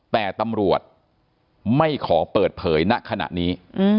แต่ตำรวจไม่ขอเปิดเผยณขณะนี้